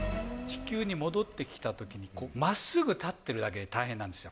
地球に戻ってきたときに、まっすぐ立っているだけで大変なんです。